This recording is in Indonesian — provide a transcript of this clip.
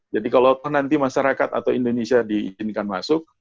jadi kalau nanti masyarakat atau indonesia diizinkan masuk